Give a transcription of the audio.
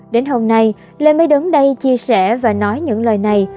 đến hôm nay lê mới đến đây chia sẻ và nói những lời này